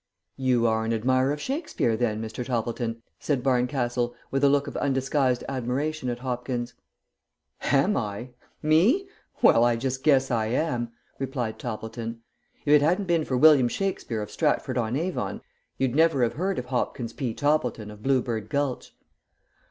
"You are an admirer of Shakespeare, then, Mr. Toppleton?" said Barncastle with a look of undisguised admiration at Hopkins. "Am I? Me? Well, I just guess I am," replied Toppleton. "If it hadn't been for William Shakespeare of Stratford on Avon, you'd never have heard of Hopkins P. Toppleton, of Blue bird Gulch."